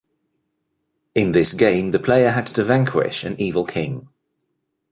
In this game the player had to vanquish an evil king.